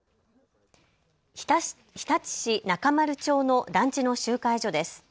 日立市中丸町の団地の集会所です。